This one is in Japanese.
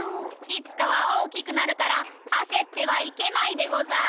いつかはおおきくなるからあせってはいけないでござる。